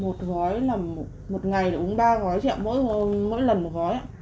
một gói là một ngày là uống ba gói chị ạ mỗi lần một gói ạ